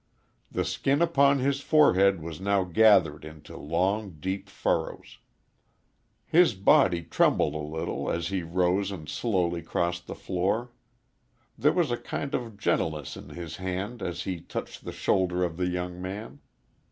The skin upon his forehead was now gathered into long, deep furrows. His body trembled a little as he rose and slowly crossed the floor. There was a kind of gentleness in his hand as he touched the shoulder of the young man.